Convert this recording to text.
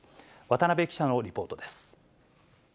渡邊記者のリポートです。